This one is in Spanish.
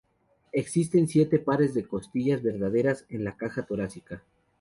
Existen siete pares de costillas verdaderas en la caja torácica.